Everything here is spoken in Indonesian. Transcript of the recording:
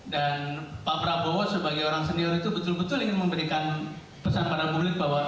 dan pak prabowo sebagai orang senior itu betul betul ingin memberikan pesan kepada publik bahwa